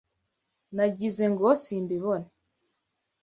Nagize ngo simbibona.